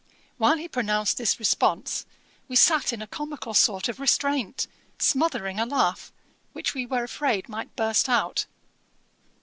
While he pronounced this response, we sat in a comical sort of restraint, smothering a laugh, which we were afraid might burst out.